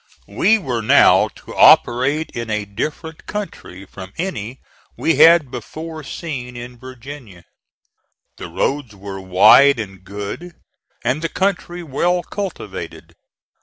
We were now to operate in a different country from any we had before seen in Virginia. The roads were wide and good, and the country well cultivated.